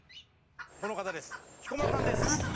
この方です、彦摩呂さんです！